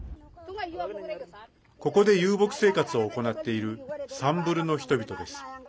ここで遊牧生活を行っているサンブルの人々です。